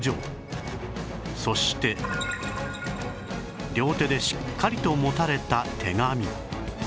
そして両手でしっかりと持たれた手紙